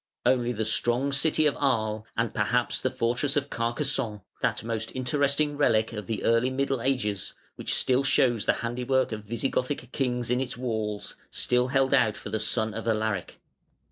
Only the strong city of Aries, and perhaps the fortress of Carcassonne (that most interesting relic of the early Middle Ages, which still shows the handiwork of Visigothic kings in its walls), still held out for the son of Alaric.